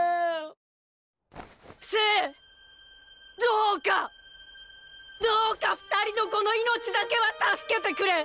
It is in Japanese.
どうか二人の子の命だけは助けてくれ！